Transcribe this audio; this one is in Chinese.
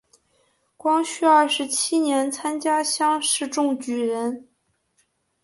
光绪二十七年参加乡试中举人。